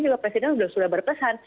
kalau presiden sudah berpesan